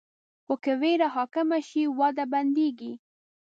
خو که ویره حاکمه شي، وده بندېږي.